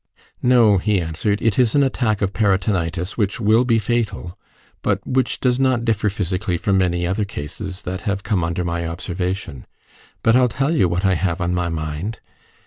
"No," he answered, "it is an attack of peritonitis, which will be fatal, but which does not differ physically from many other cases that have come under my observation. But I'll tell you what I have on my mind.